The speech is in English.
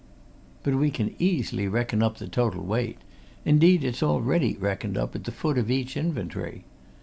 But we can easily reckon up the total weight indeed, it's already reckoned up at the foot of each inventory.